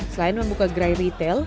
selain membuka gerai retail